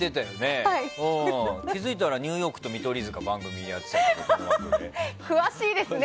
気づいたらニューヨークと見取り図が詳しいですね！